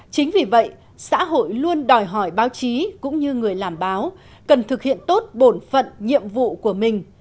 chính vì vậy xã hội luôn đòi hỏi báo chí cũng như người làm báo cần thực hiện tốt bổn phận nhiệm vụ của mình